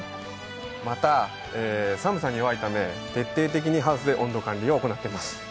また、寒さに弱いため徹底的にハウスで温度管理を行っています。